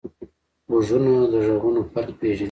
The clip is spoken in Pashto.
غوږونه د غږونو فرق پېژني